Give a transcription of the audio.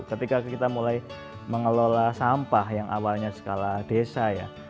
ketika kita mulai mengelola sampah yang awalnya skala desa ya